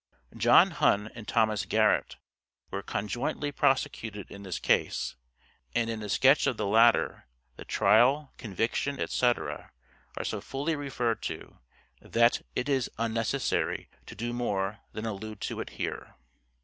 [John Hunn and Thomas Garrett were conjointly prosecuted in this case, and in the sketch of the latter, the trial, conviction, etc., are so fully referred to, that it is unnecessary to do more than allude to it here].